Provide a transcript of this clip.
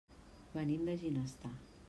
Venim de Ginestar.